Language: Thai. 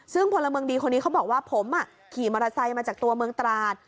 ซึ่งพลเมืองดีคนนี้เขาบอกว่าผมขี่มอเตอร์ไซค์มาจากตัวเมืองตราด